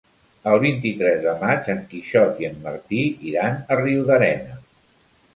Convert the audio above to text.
El vint-i-tres de maig en Quixot i en Martí iran a Riudarenes.